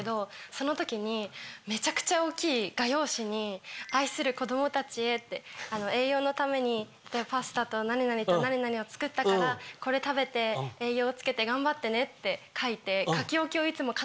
その時にめちゃくちゃ大きい画用紙に「愛する子供たちへ」って「栄養のためにパスタと何々と何々を作ったからこれ食べて栄養をつけてがんばってね！」って書いて。